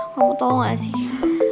kamu tau ga sih